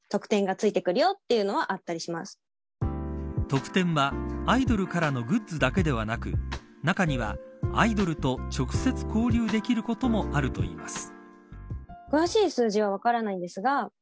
特典はアイドルからのグッズだけではなく中には、アイドルと直接交流できるものもあるといいます。